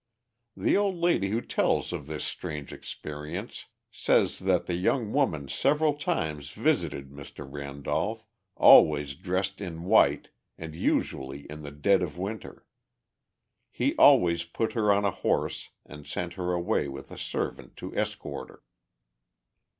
The old lady who tells of this strange experience says that the young woman several times visited Mr. Randolph, always dressed in white and usually in the dead of winter. He always put her on a horse and sent her away with a servant to escort her.